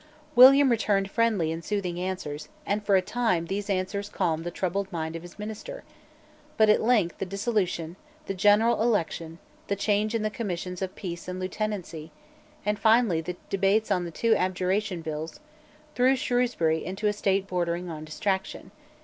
William returned friendly and soothing answers; and, for a time, these answers calmed the troubled mind of his minister, But at length the dissolution, the general election, the change in the Commissions of Peace and Lieutenancy, and finally the debates on the two Abjuration Bills, threw Shrewsbury into a state bordering on distraction.